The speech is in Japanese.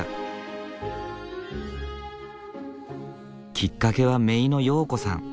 きっかけは姪の容子さん。